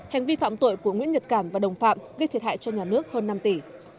hành vi phạm tội của nguyễn nhật cảm và đồng phạm gây thiệt hại cho nhà nước hơn năm tỷ